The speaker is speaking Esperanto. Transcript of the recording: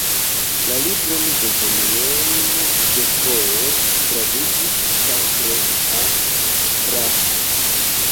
La libron de Daniel Defoe tradukis Pastro A. Krafft.